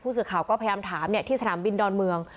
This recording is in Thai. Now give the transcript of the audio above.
สื่อข่าวก็พยายามถามที่สนามบินดอนเมือง